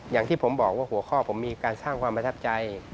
อย่างที่ผมบอกว่าหัวข้อผมมีการสร้างความประทับใจ